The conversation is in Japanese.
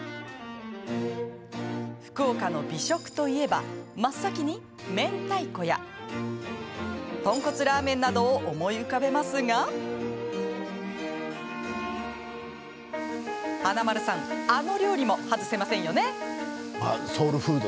福岡の美食といえば、真っ先にめんたいこや豚骨ラーメンなどを思い浮かべますが華丸さん、あの料理も外せませんよね。